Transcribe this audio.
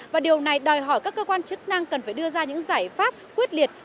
và điều này đòi hỏi các cơ quan chức năng cần phải đưa ra những giải pháp quyết liệt